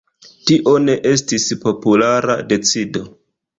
Tio ne estis populara decido.